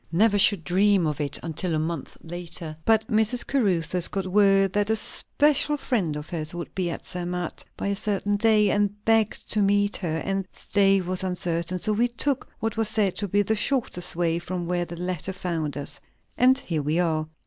Never should dream of it, until a month later. But Mrs. Caruthers got word that a special friend of hers would be at Zermatt by a certain day, and begged to meet her; and stay was uncertain; and so we took what was said to be the shortest way from where the letter found us. And here we are."